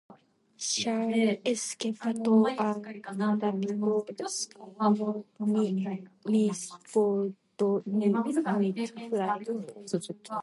S'ha escapato un crapito escornato, ni muit gordo, ni muit flaco.